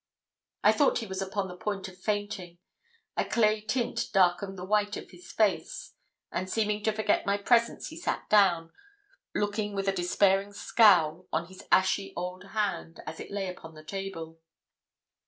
I thought he was upon the point of fainting a clay tint darkened the white of his face; and, seeming to forget my presence, he sat down, looking with a despairing scowl on his ashy old hand, as it lay upon the table.